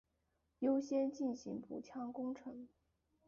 优先进行补强工程